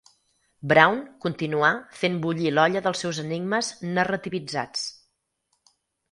Brown continuar fent bullir l'olla dels seus enigmes narrativitzats.